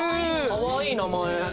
かわいい名前。